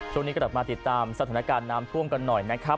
ช่วงนี้กลับมาติดตามสถานการณ์น้ำท่วมกันหน่อยนะครับ